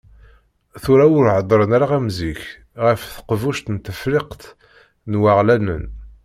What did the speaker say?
Tura ur heddren ara am zik ɣef Teqbuct n Tefriqt n Waɣlanen.